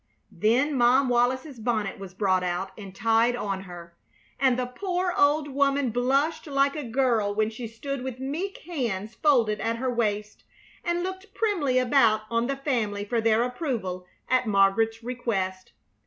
Then Mom Wallis's bonnet was brought out and tied on her, and the poor old woman blushed like a girl when she stood with meek hands folded at her waist and looked primly about on the family for their approval at Margaret's request.